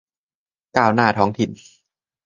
ก้าวหน้าท้องถิ่น